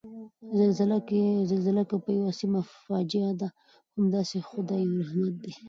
زلزله که په یوه سیمه فاجعه ده، همداسې د خدای یو رحمت دی